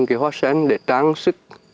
cái hoa sen để trang sức